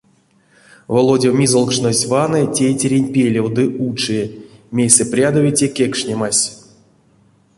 Володя мизолкшнозь ванны тейтеренть пелев ды учи, мейсэ прядови те кекшнемась.